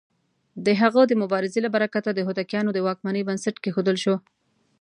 د هغه د مبارزې له برکته د هوتکيانو د واکمنۍ بنسټ کېښودل شو.